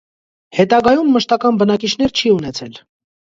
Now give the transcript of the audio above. Հետագայում մշտական բնակիյներ շի ունեցել։